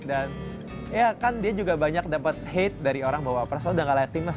dan ya kan dia juga banyak dapet hate dari orang bahwa pras tawa udah gak layak timnas